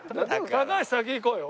高橋先行こうよ。